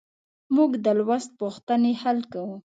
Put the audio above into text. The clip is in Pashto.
موږ د لوست پوښتنې حل کوو.